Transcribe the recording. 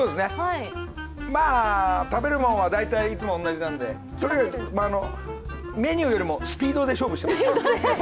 まあ、食べるもんは大体いつも同じなんで、メニューよりもスピードで勝負してます。